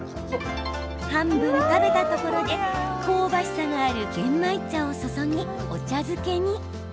半分食べたところで香ばしさがある玄米茶を注ぎお茶漬けに。